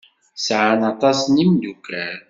Sɛan aṭas n yimeddukal.